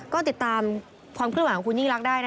ก็ติดตามความคุณคุณหวังของคุณยิ่งลักษณ์ได้นะ